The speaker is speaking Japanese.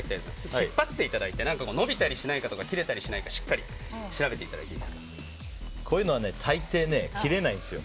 引っ張っていただいて伸びたりしないかとか切れたりしないかしっかりこういうのは大抵、切れないんですよ。